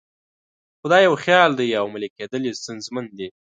خو دا یو خیال دی او عملي کېدل یې ستونزمن دي.